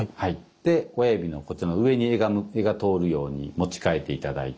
で親指のこちらの上に柄が通るように持ち替えて頂いて。